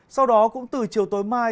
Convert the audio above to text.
sau đó cũng từ chiều tối mai